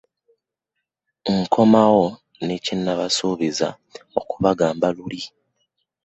Nkomawo ne kye nabasuubiza okubagamba luli.